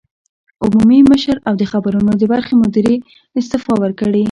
عمومي مشر او د خبرونو د برخې مدیرې استعفی ورکړې